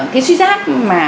cái suy giáp